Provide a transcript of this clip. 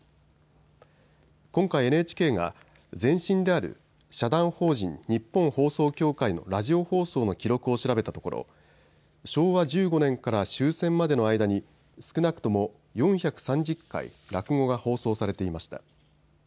今回、ＮＨＫが前身である社団法人・日本放送協会のラジオ放送の記録を調べたところ昭和１５年から終戦までの間に少なくとも４３０回落語が放送されていました。